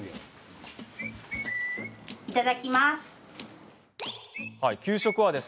いただきます。